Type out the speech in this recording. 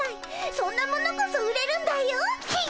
そんなものこそ売れるんだよっ。